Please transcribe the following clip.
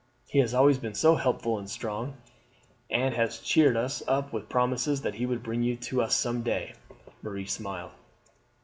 He has always been so hopeful and strong, and has cheered us up with promises that he would bring you to us some day." Marie smiled.